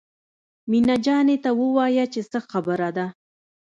مينه جانې ته ووايه چې څه خبره ده.